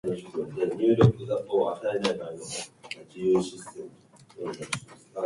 彼は天才である